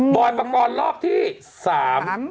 ๑บ่อยประกอร์นรอบที่สาม